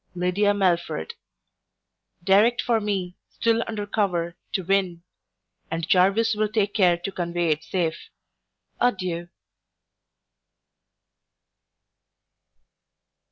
LYDIA MELFORD Direct for me, still under cover, to Win; and Jarvis will take care to convey it safe. Adieu.